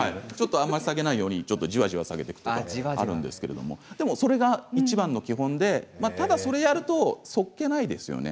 あんまり下げないようにじわじわ下げていくということがあるんですがそれがいちばんの基本でただ、それをやるとそっけないですよね。